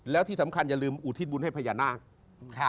แล้วที่สำคัญอย่าลืมอุทิศบุญให้พญานาค